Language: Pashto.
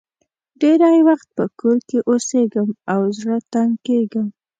ډېری وخت په کور کې اوسېږم او زړه تنګ کېږم.